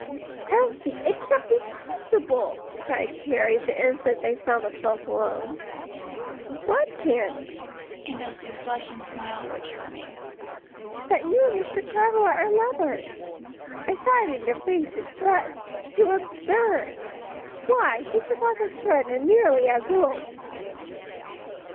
"Elsie, it can't be possible!" cried Carrie, the instant they found themselves alone. "What can't?" and Elsie's blush and smile were charming. "That you and Mr. Travilla are lovers! I saw it in your faces; but, 'tis too absurd! Why, he's your father's friend, and nearly as old."